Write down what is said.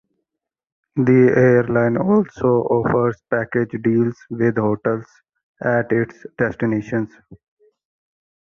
The airline also offers package deals with hotels at its destinations.